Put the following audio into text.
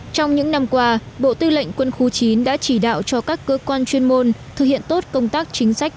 trong những năm qua bộ tư lệnh quân khu chín đã chỉ đạo cho các cơ quan chuyên môn thực hiện tốt công tác chính sách